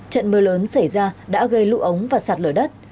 trận mưa lớn xảy ra đã gây lũ ống và sạt lở đất